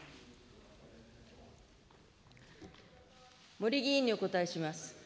森議員にお答えします。